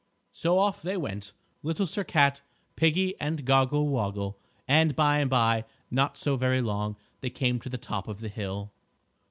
So off they went, Little Sir Cat, Piggie and Goggle Woggle, and by and by, not so very long, they came to the top of the hill.